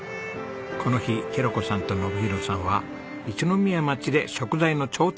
この日裕子さんと信博さんは一宮町で食材の調達です。